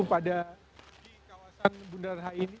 pada di kawasan bundaran hi ini